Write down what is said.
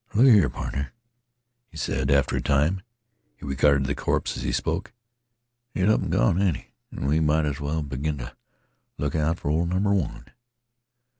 "Look a here, pardner," he said, after a time. He regarded the corpse as he spoke. "He 's up an' gone, ain't 'e, an' we might as well begin t' look out fer ol' number one.